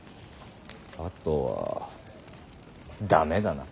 あとは駄目だな。